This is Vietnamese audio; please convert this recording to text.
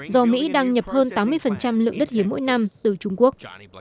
do mỹ đang nhập hơn tám mươi lượng đất hiếm mỗi năm từ trung quốc